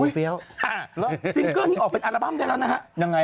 ซิงเกิ้ลออกเป็นอัลบั้มได้แล้วนะครับ